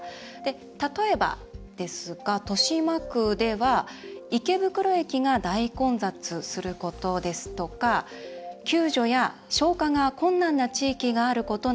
例えば、豊島区では池袋駅が大混雑することですとか救助や消火が困難な地域があることが